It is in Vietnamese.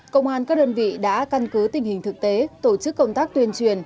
công an các đơn vị đã căn cứ tình hình thực tế tổ chức công tác tuyên truyền